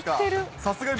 さすが。